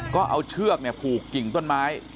ก็เอาเชือกผูกกิ่งต้นไม้